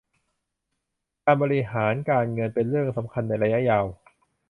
การบริหารการเงินเป็นเรื่องสำคัญในระยะยาว